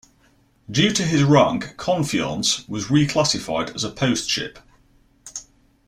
Due to his rank, "Confiance" was reclassified as a post-ship.